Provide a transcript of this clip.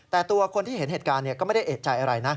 แต่ตัวคนที่เห็นเหตุการณ์ก็ไม่ได้เอกใจอะไรนะ